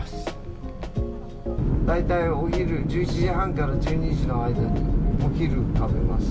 「大体お昼１１時半から１２時の間にお昼食べます」